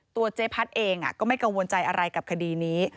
เจ๊พัดเองก็ไม่กังวลใจอะไรกับคดีนี้